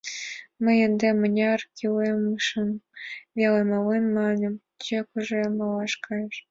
— Мый ынде мыняр кӱлешыжым веле малем, — манын, тӧкыжӧ малаш кайыш.